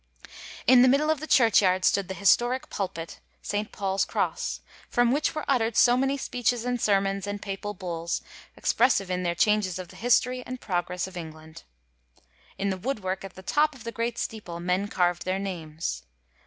In the middle of the churchyard stood the historic pulpit, St. PauPs Cross, from which were utterd so many speeches and sermons, and Papal Bulls, expressive in their changes of the history and pro gress of England. In the woodwork at the top of the great steeple men carvd their names.